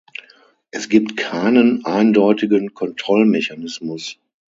Es gibt keinen eindeutigen Kontrollmechanismus.